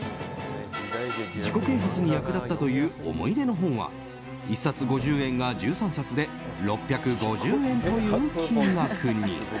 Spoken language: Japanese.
自己啓発に役立ったという思い出の本は１冊５０円が１３冊で６５０円という金額に。